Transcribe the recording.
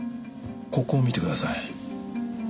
ここを見てください。